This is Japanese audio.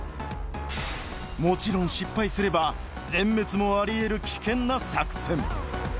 もちろん失敗すれば全滅もあり得る危険な作戦